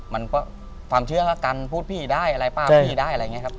มันก็ความเชื่อละกันพูดพี่ได้อะไรป้าพี่ได้อะไรอย่างนี้ครับ